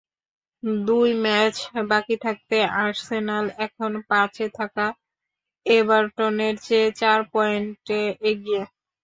দুই ম্যাচ বাকি থাকতে আর্সেনাল এখন পাঁচে থাকাএভারটনের চেয়ে চার পয়েন্টে এগিয়ে।